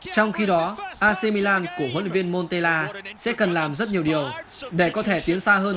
trong khi đó ac milan của huấn luyện viên montella sẽ cần làm rất nhiều điều để có thể tiến xa hơn